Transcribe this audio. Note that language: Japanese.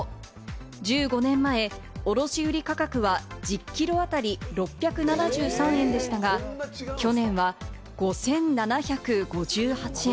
１５年前、卸売価格は１０キロ当たり６７３円でしたが、去年は５７５８円。